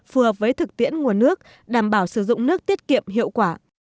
phù hợp với thực tiễn nguồn nước đảm bảo sử dụng nước tiết kiệm hiệu quả